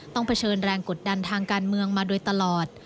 เผชิญแรงกดดันทางการเมืองมาโดยตลอด